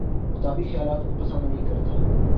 کتابی خیالات کو پسند نہیں کرتا